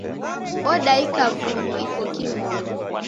Odaika vunyu iko kimoyo.